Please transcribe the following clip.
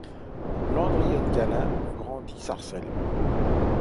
Landry N'Gala grandit Sarcelles.